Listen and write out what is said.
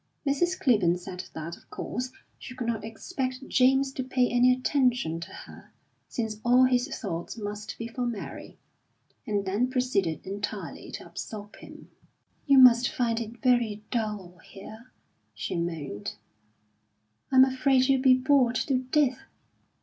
Mrs. Clibborn said that, of course, she could not expect James to pay any attention to her, since all his thoughts must be for Mary, and then proceeded entirely to absorb him. "You must find it very dull here," she moaned. "I'm afraid you'll be bored to death."